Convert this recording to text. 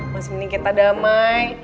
maksudnya kita damai